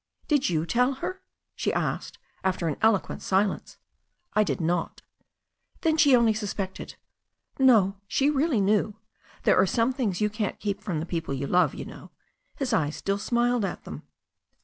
"Did you tell her?" she asked, after an eloquent silence. "I did not." "Then she only suspected." "No, she really knew. There are some things you can't keep from the people who love you, you know." His eyes still smiled at them.